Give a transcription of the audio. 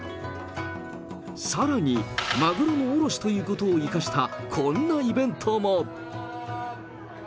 さらに、マグロの卸ということを生かしたこんなイベントも。